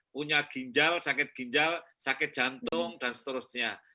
punya ginjal sakit ginjal sakit jantung dan seterusnya